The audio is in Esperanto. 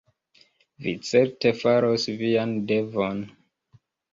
Vi certe faros vian devon.